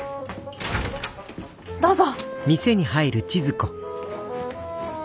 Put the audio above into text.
どうぞ！